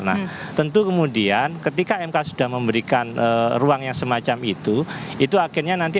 nah tentu kemudian ketika mk sudah memberikan ruang yang semacam itu itu akhirnya nanti